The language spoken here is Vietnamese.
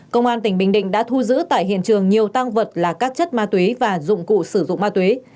công an tỉnh bình định đã thu giữ tại hiện trường nhiều tăng vật là các chất ma túy và dụng cụ sử dụng ma túy